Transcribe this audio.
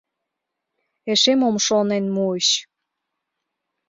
Эше мом шонен муыч?